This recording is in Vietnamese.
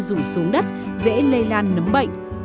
rủ xuống đất dễ lây lan nấm bệnh